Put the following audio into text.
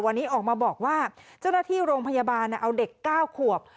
วันนี้ออกมาบอกว่าเจ้าหน้าที่โรงพยาบาลเอาเด็ก๙ขวบ